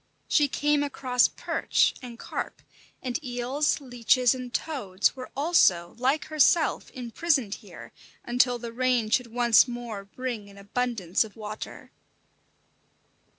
She came across perch and carp; and eels, leeches and toads were also, like herself, imprisoned here, until the rain should once more bring an abundance of water.